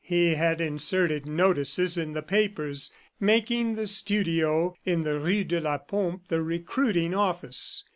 He had inserted notices in the papers, making the studio in the rue de la Pompe the recruiting office.